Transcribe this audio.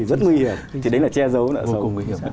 rất nguy hiểm thì đấy là che giấu nợ sầu